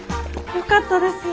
よかったです。